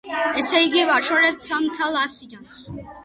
ესე იგი, ვაშორებთ სამ ცალ ასიანს.